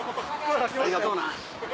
・ありがとうな。